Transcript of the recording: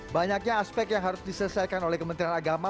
banyaknya aspek yang harus diselesaikan oleh kementerian agama